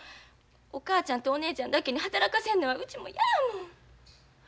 お母ちゃんとお姉ちゃんだけに働かせんのはうち嫌やもん。